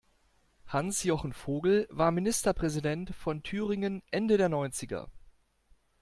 Hans-Jochen Vogel war Ministerpräsident von Thüringen Ende der Neunziger.